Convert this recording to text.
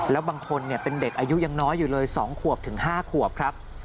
แล้วบางคนเป็นเด็กอายุยังน้อยอยู่เลย๒ขวบถึง๕ขวบครับ